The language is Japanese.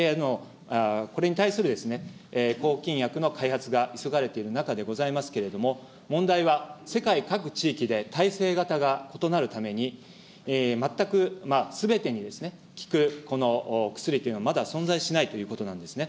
これに対する抗菌薬の開発が急がれている中でございますけれども、問題は、世界各地域で耐性型が異なるために全くすべてに効く薬というのはまだ存在しないということなんですね。